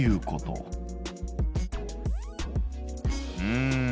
うん。